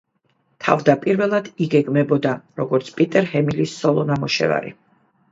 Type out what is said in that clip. თავდაპირველად იგეგმებოდა, როგორც პიტერ ჰემილის სოლო ნამუშევარი.